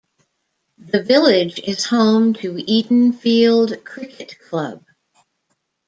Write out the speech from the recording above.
The village is home to Edenfield Cricket Club.